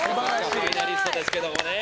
ファイナリストですけれどもね。